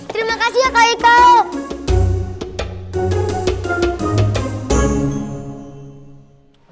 terima kasih ya kak eko